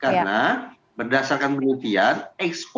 karena berdasarkan penelitian ekspos